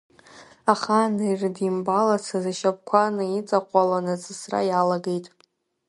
Ахаан ирыдимбалацыз ишьапқәа наиҵаҟәалан, аҵысра иалагеит.